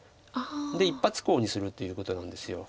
で一発コウにするということなんです。